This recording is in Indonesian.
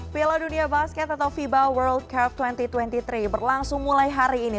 piala dunia basket atau fiba world cup dua ribu dua puluh tiga berlangsung mulai hari ini